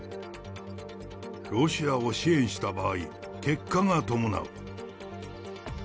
ロシアを支援した場合、結果が伴う。